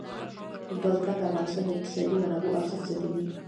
بزګان د افغانستان د اقتصادي منابعو ارزښت زیاتوي.